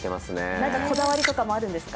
何かこだわりとかもあるんですか？